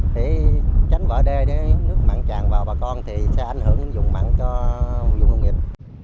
để tránh vỡ đê để nước mặn tràn vào bà con thì sẽ ảnh hưởng đến dùng mặn cho dùng nông nghiệp